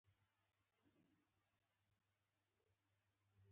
فیوډالان او خانان سخت ناراض ول.